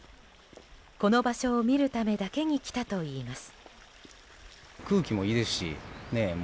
この場所を見るためだけに来たといいます。